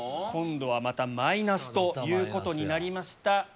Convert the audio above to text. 今度はまたマイナスということになりました。